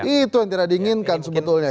itu yang tidak diinginkan sebetulnya